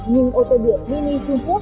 nhưng ô tô điện mini trung quốc